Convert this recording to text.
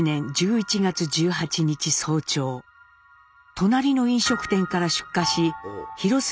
隣の飲食店から出火し広末